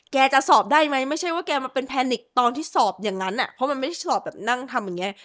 จะสอบได้ไหมไม่ใช่ว่าแกมาเป็นแพนิกตอนที่สอบอย่างนั้นอ่ะเพราะมันไม่ได้สอบแบบนั่งทำอย่างเงี้